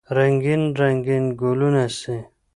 رنګین، رنګین ګلونه سي